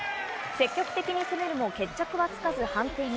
積極的に攻めるも決着はつかず判定に。